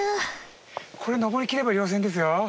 これ登りきれば稜線ですよ。